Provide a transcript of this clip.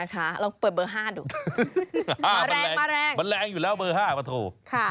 ถูกต้องนะคะเราเปิดเบอร์๕ดู